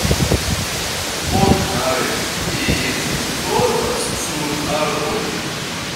Ordinare ili dormas sur arboj.